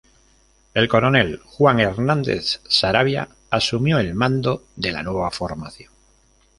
El coronel Juan Hernández Saravia asumió el mando de la nueva formación.